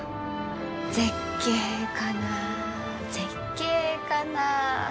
「絶景かな絶景かな」。